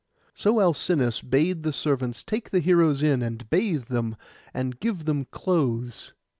So Alcinous bade the servants take the heroes in, and bathe them, and give them clothes.